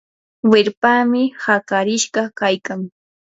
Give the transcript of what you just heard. wirpami hakarishqa kaykan.